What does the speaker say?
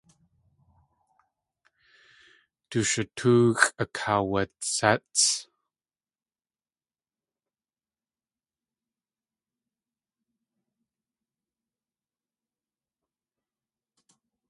Du shutóoxʼ akaawatséts.